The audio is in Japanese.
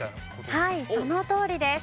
はいそのとおりです。